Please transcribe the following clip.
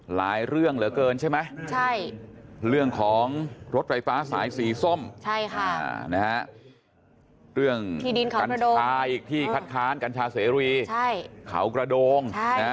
หลายเรื่องเหลือเกินใช่ไหมเรื่องของรถไฟฟ้าสายสีส้มนะฮะเตือนคันชาอีกที่คันชาเสรูีเขากระโดง